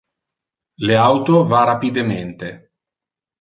Le auto va rapidemente.